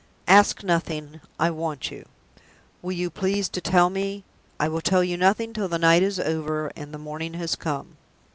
"Ask nothing. I want you." "Will you please to tell me ?" "I will tell you nothing till the night is over and the morning has come."